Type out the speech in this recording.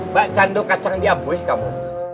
mbak candokacang diambui kamu